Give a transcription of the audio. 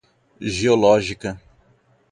geológica